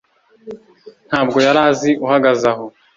ntabwo yari azi uhagaze aho